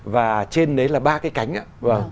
và trên đấy là ba cái cánh á